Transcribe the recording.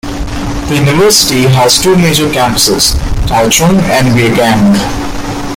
The university has two major campuses, Taichung and Beigang.